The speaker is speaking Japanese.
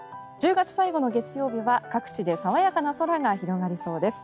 １０月最後の月曜日は各地で爽やかな空が広がりそうです。